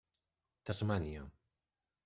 Tasmània.